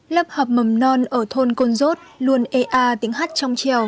lớp học mầm non ở thôn côn dốt luôn ea tiếng hát trong trèo